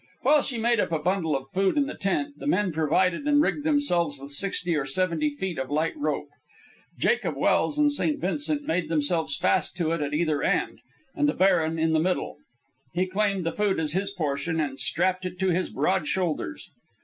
While she made up a bundle of food in the tent, the men provided and rigged themselves with sixty or seventy feet of light rope. Jacob Welse and St. Vincent made themselves fast to it at either end, and the baron in the middle. He claimed the food as his portion, and strapped it to his broad shoulders.